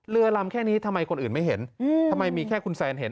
เรือลำแค่นี้ทำไมคนอื่นไม่เห็นทำไมมีแค่คุณแซนเห็น